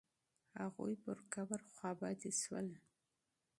هغوی په قبر افسوس وکړ.